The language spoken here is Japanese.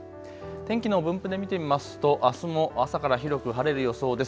天気の分布で見てみますとあすも朝から広く晴れる予想です。